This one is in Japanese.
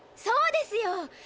そうですよ。